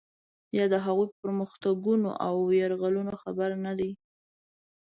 یا د هغوی په پرمختګونو او یرغلونو خبر نه دی.